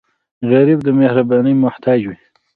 غریب د مهربانۍ محتاج وي